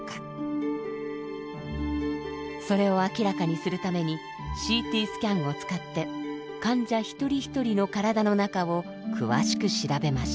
それを明らかにするためにＣＴスキャンを使って患者一人一人の体の中を詳しく調べました。